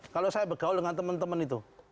kalau saya bergaul dengan temen temen itu